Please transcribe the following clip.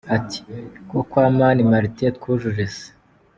Ati “Ko kwa Mani Martin twujuje se ?”.